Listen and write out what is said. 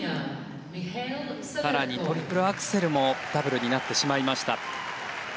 更に、トリプルアクセルもダブルになってしまいました。